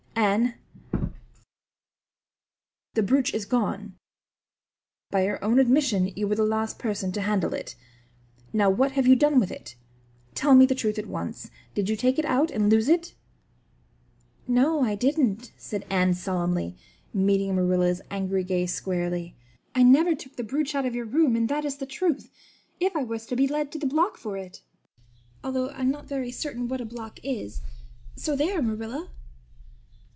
"Anne, the brooch is gone. By your own admission you were the last person to handle it. Now, what have you done with it? Tell me the truth at once. Did you take it out and lose it?" "No, I didn't," said Anne solemnly, meeting Marilla's angry gaze squarely. "I never took the brooch out of your room and that is the truth, if I was to be led to the block for it although I'm not very certain what a block is. So there, Marilla."